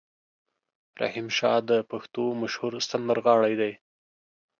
رحیم شا د پښتو مشهور سندرغاړی دی.